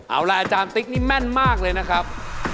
เอาล่ะอาจารย์ติ๊กนี่แม่นมากเลยนะครับ